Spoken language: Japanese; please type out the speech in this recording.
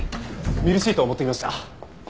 ミルシートを持ってきました。